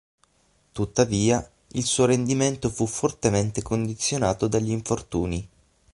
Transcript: Tuttavia il suo rendimento fu fortemente condizionato dagli infortuni.